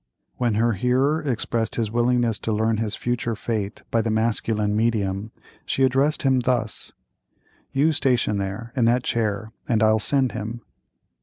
When her hearer expressed his willingness to learn his future fate by the masculine medium, she addressed him thus: "You station there, in that chair, and I'll send him."